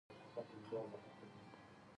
جبار: چا وهلى؟ صمد خو مېږي ته زر نه رسېده.